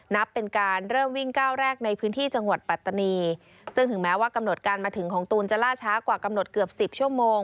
นับเป็นการเริ่มวิ่งก้าวแรกในพื้นที่จังหวัดปัตตานีซึ่งถึงแม้ว่ากำหนดการมาถึงของตูนจะล่าช้ากว่ากำหนดเกือบสิบชั่วโมง